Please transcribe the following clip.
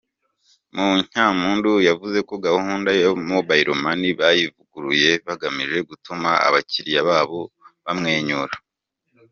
Munyampundu yavuze ko gahundu ya Mobile Money bayivuguruye bagamije gutuma abakiriya babo bamwenyura.